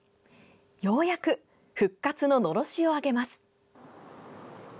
ようやく復活ののろしを上げます。